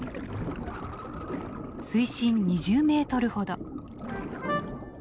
水深２０メートルほど。